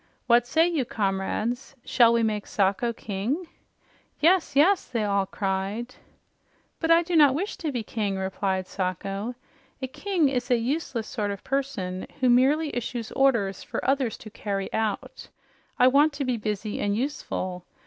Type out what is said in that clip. What say you, comrades? Shall we make Sacho king?" "Yes, yes!" they all cried. "But I do not wish to be king," replied Sacho. "A king is a useless sort of person who merely issues orders for others to carry out. I want to be busy and useful.